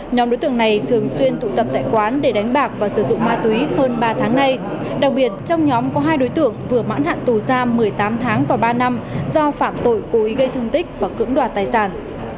nhóm đối tượng này thường xuyên tụ tập tại quán để đánh bạc và sử dụng ma túy hơn ba tháng nay đặc biệt trong nhóm có hai đối tượng vừa mãn hạn tù giam một mươi tám tháng và ba năm do phạm tội cố ý gây thương tích và cưỡng đoạt tài sản